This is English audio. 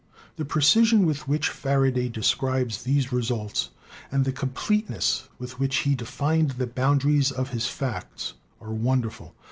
The precision with which Faraday describes these re sults and the completeness with which he defined the boundaries of his facts are wonderful.